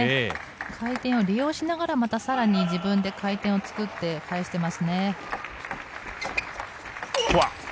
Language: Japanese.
回転を利用しながら、さらに自分で回転を作って返していますね。